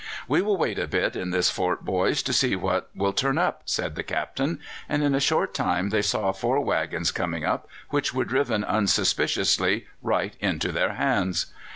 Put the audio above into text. "We will wait a bit in this fort, boys, to see what will turn up," said the Captain; and in a short time they saw four waggons coming up, which were driven unsuspiciously right into his hands.